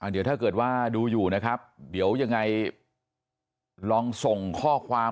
เดี๋ยวถ้าเกิดว่าดูอยู่นะครับเดี๋ยวยังไงลองส่งข้อความ